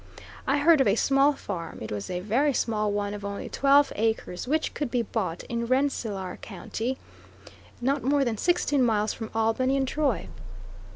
I heard of a small farm it was a very small one of only twelve acres which could be bought in Rensselaer County, not more than sixteen miles from Albany and Troy.